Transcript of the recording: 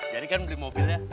jadi kan beli mobil ya